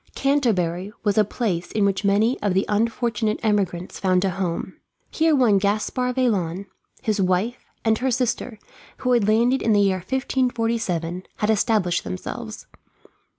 Canterbury was a place in which many of the unfortunate emigrants found a home. Here one Gaspard Vaillant, his wife, and her sister, who had landed in the year 1547, had established themselves.